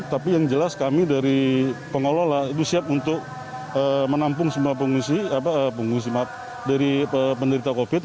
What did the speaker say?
tapi yang jelas kami dari pengelola itu siap untuk menampung semua pengungsi dari penderita covid